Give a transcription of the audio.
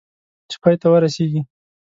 چې پای ته ورسېږي .